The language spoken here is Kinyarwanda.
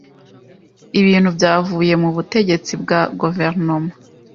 Ibintu byavuye mu butegetsi bwa guverinoma.